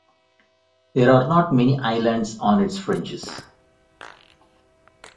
There are not many islands on its fringes.